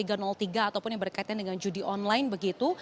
ataupun yang berkaitan dengan judi online begitu